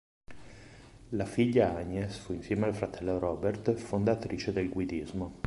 La figlia Agnes fu, insieme al fratello Robert, fondatrice del Guidismo.